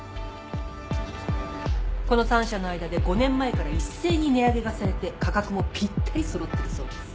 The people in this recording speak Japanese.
この３社の間で５年前から一斉に値上げがされて価格もぴったり揃ってるそうです